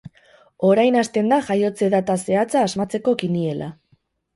Orain hasten da jaiotze data zehatza asmatzeko kiniela.